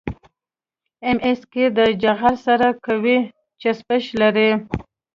ام سي قیر د جغل سره قوي چسپش لري